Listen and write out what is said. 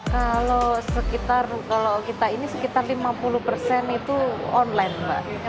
kalau kita ini sekitar lima puluh persen itu online